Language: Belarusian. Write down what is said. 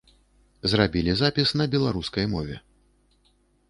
Запіс зрабілі на беларускай мове.